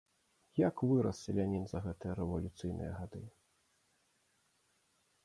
Як вырас селянін за гэтыя рэвалюцыйныя гады!